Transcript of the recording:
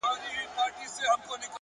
پرمختګ له دوامداره ارزونې زېږي!